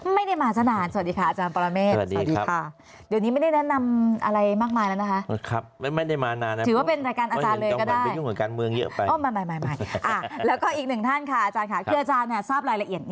ไม่ได้มาสนานสวัสดีค่ะอาจารย์ประเม็ด